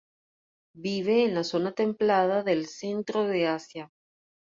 Vive en la zona templada del centro de Asia.